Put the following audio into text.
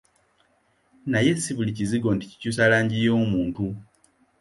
Naye si buli kizigo nti kikyusa langi y'omuntu.